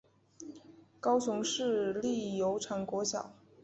高雄市立油厂国小